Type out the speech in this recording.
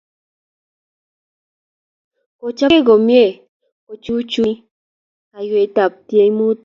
Kechopkei komie kochuchuchi kayweetap tiemutik